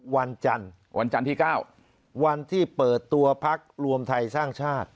วันจันทร์วันจันทร์ที่๙วันที่เปิดตัวพักรวมไทยสร้างชาติ